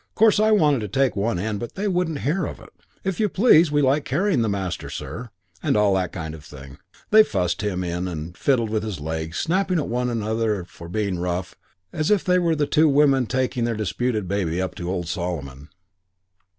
Course I wanted to take one end, but they wouldn't hear of it. 'If you please, we like carrying the master, sir,' and all that kind of thing; and they fussed him in and fiddled with his legs, snapping at one another for being rough as if they were the two women taking their disputed baby up to old Solomon.